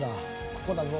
「ここだぞ」